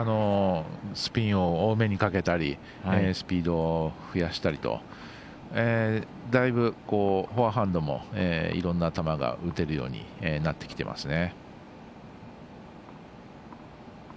スピンを多めにかけたりスピードを増やしたりとだいぶ、フォアハンドもいろんな球が打てるようになってきていますね。